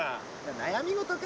悩み事か？